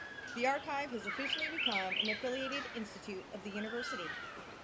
The archive has officially become an affiliated institute of the University.